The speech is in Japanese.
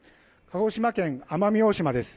鹿児島県奄美大島です。